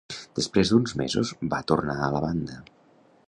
Després d'uns mesos va tornar a la banda.